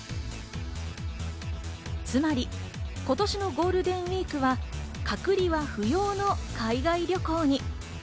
つまり今年のゴールデンウイークは隔離は不要の海外旅行に。